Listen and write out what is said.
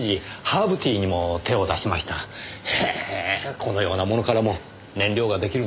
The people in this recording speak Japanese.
このようなものからも燃料が出来るんですね。